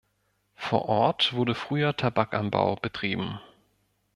Vor Ort wurde früher Tabakanbau betrieben.